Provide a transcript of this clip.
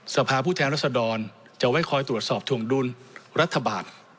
สภาพผู้แทนรัศดรจะไว้คอยตรวจสอบถวงดุลรัฐบาล